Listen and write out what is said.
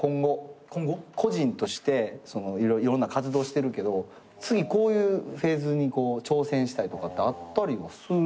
今後個人としていろんな活動してるけど次こういうフェーズに挑戦したいとかってあったりはするの？